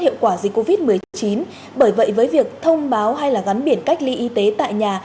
hiệu quả dịch covid một mươi chín bởi vậy với việc thông báo hay là gắn biển cách ly y tế tại nhà